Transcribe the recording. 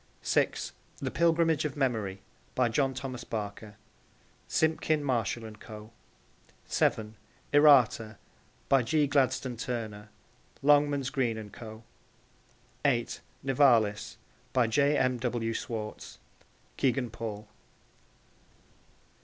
(6) The Pilgrimage of Memory. By John Thomas Barker. (Simpkin, Marshall and Co.) (7) Errata. By G. Gladstone Turner. (Longmans, Green and Co.) (8) Nivalis. By J. M. W. Schwartz. (Kegan Paul.)